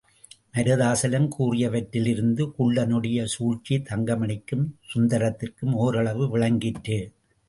மருதாசலம் கூறியவற்றிலிருந்து குள்ளனுடைய சூழ்ச்சி தங்கமணிக்கும், சுந்தரத்திற்கும் ஓரளவு விளங்கிற்று.